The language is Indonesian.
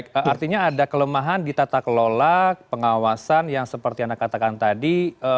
baik artinya ada kelemahan di tata kelola pengawasan yang seperti anda katakan tadi